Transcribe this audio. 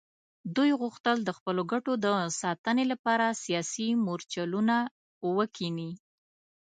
دوی غوښتل د خپلو ګټو د ساتنې لپاره سیاسي مورچلونه وکیني.